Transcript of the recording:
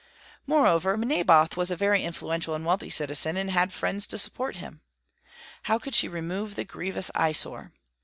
Moreover, Naboth was a very influential and wealthy citizen, and had friends to support him. How could she remove the grievous eye sore?